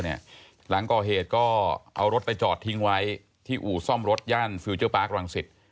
หลังก่อเหตุก็เอารถไปจอดทิ้งไว้ที่อู่ซ่อมรถย่านฟิลเจอร์ปาร์ครังสิต